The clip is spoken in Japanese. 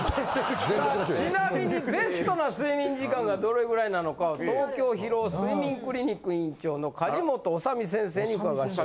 ちなみにベストの睡眠時間がどれぐらいなのかを東京疲労・睡眠クリニック院長の梶本修身先生に伺いました。